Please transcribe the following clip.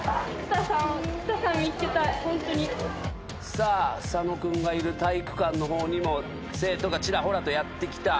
さあ佐野君がいる体育館の方にも生徒がちらほらとやって来た。